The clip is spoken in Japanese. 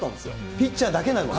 ピッチャーだけなのに。